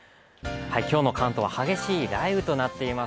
今日の関東は激しい雷雨となっています。